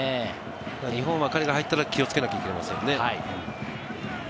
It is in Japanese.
日本は彼が入ったら気をつけなきゃいけませんね。